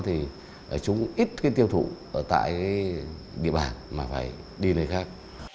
thì chúng ít cái tiêu thụ ở tại địa bàn mà phải đi nơi khác